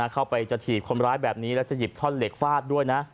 เข้าไปจะถีบคนร้ายแบบนี้แล้วจะหยิบท่อนเหล็กฟาดด้วยนะ